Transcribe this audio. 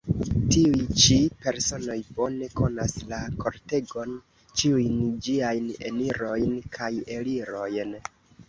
Tiuj ĉi personoj bone konas la kortegon, ĉiujn ĝiajn enirojn kaj elirojn.